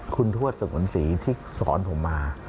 คุณทวดสงวนศรีที่สอนผมมา